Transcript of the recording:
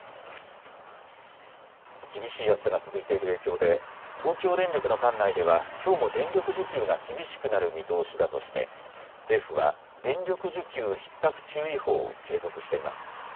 厳しい暑さが続いている影響で東京電力の管内ではきょうも電力需給が厳しくなる見通しだとして政府は電力需給ひっ迫注意報を継続しています。